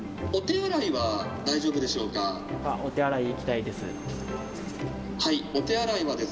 お手洗い、行きたいです。